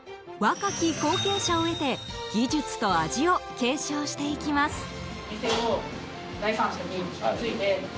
若き後継者を得て技術と味を継承していきます。